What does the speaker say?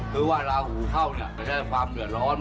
คือว่าราหูเข้าเนี่ยจะได้ความเหนือร้อน